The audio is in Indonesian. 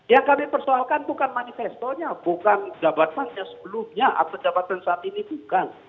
yang kami persoalkan bukan manifestonya bukan jabatannya sebelumnya atau jabatan saat ini bukan